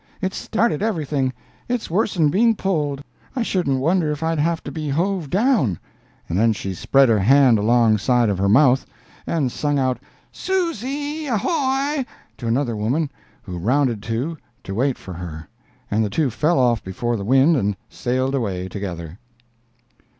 It started everything. It's worse'n being pulled! I shouldn't wonder if I'd have to be hove down—" and then she spread her hand alongside of her mouth and sung out, "Susy, ahoy!" to another woman, who rounded to to wait for her, and the two fell off before the wind and sailed away together.